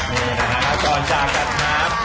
นี่นะครับจรจากันครับ